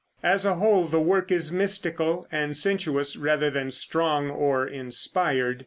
As a whole the work is mystical and sensuous, rather than strong or inspired.